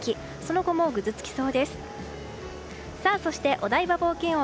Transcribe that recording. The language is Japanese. お台場冒険王